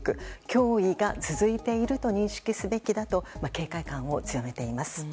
脅威が続いていると認識すべきだと警戒感を強めています。